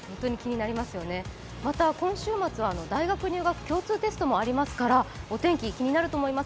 また今週末は大学入学共通テストもありますからお天気、気になると思います。